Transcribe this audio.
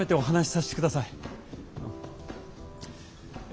え